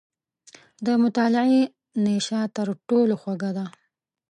• د مطالعې نیشه تر ټولو خوږه ده.